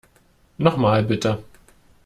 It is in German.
Noch mal, bitte.